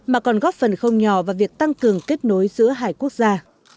mà còn góp phần không nhỏ vào việc tăng cường kết nối giữa hai quốc gia